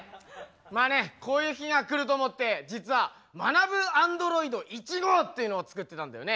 まあねこういう日がくると思って実はまなぶアンドロイド１号っていうのを作ってたんだよね。